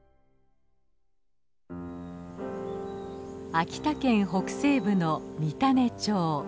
秋田県北西部の三種町。